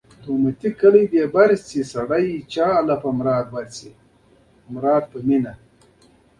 همدا و چې د نوګالس سونورا او نوګالس اریزونا سیمې جوړې شوې.